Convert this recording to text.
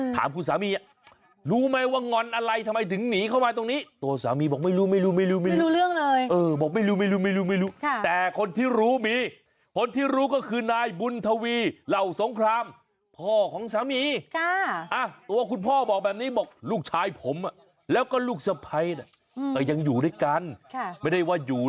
ถามคุณสามีรู้ไหมว่าง่อนอะไรทำไมถึงหนีเข้ามาตรงนี้